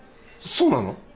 そうなの？